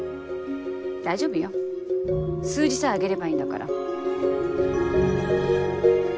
大丈夫よ数字さえ上げればいいんだから。